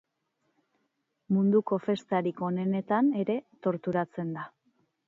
Munduko festarik onenetan ere torturatzen da.